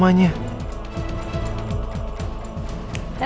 dateng lagi traumanya